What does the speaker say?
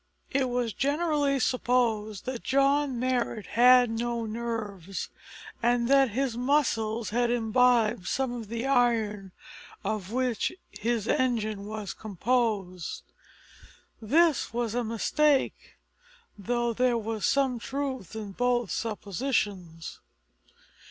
It was generally supposed that John Marrot had no nerves, and that his muscles had imbibed some of the iron of which his engine was composed. This was a mistake, though there was some truth in both suppositions.